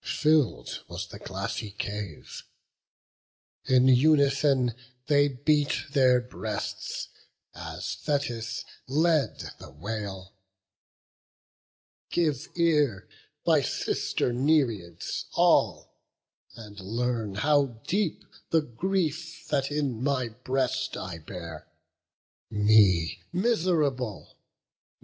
Fill'd was the glassy cave; in unison They beat their breasts, as Thetis led the wail: "Give ear, my sister Nereids all, and learn How deep the grief that in my breast I bear. Me miserable!